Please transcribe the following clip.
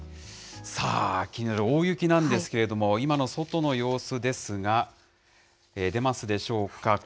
さあ、気になる大雪なんですけれども、今の外の様子ですが、出ますでしょうか。